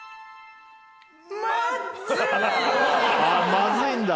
まずいんだ。